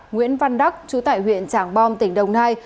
nguyễn văn đắc chú tại huyện trảng bom tỉnh đồng nai